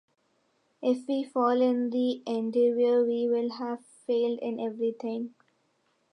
If we fail in that endeavor, we will have failed in everything.